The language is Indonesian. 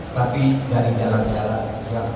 tapi dari jalan jalan